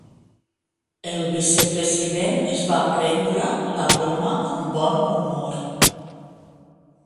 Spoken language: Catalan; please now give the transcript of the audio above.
El vicepresident es va prendre la broma amb bon humor.